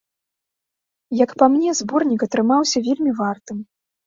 Як па мне, зборнік атрымаўся вельмі вартым.